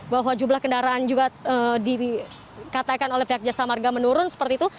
bahwa jumlah kendaraan juga dikatakan oleh pihak jasa marga menurun seperti itu